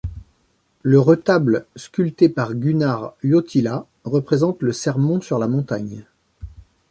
Le retable sculpté par Gunnar Uotila représente le sermon sur la montagne.